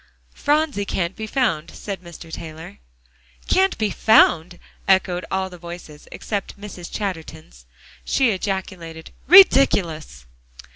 "Phronsie can't be found," said Mr. Taylor. "Can't be found!" echoed all the voices, except Mrs. Chatterton's. She ejaculated "Ridiculous!"